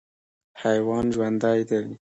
حیوان ژوندی دی.